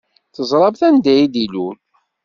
Teẓṛamt anda i d-ilul?